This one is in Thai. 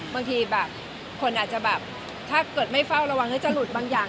บางทีแบบคนอาจจะแบบถ้าเกิดไม่เฝ้าระวังแล้วจะหลุดบางอย่าง